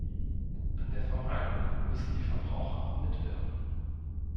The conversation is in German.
An der Vermeidung müssen die Verbraucher mitwirken.